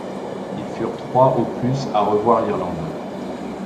Ils furent trois au plus à revoir l’Irlande.